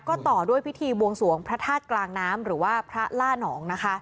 ก็ต่อด้วยพิธีบวงสวงพระธาตุกลางน้ำหรือว่าพระล่านองนะคะ